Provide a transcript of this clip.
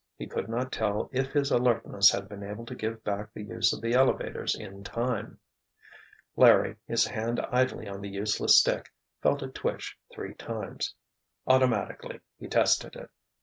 He could not tell if his alertness had been able to give back the use of the elevators in time. Larry, his hand idly on the useless stick, felt it twitch three times. Automatically he tested it.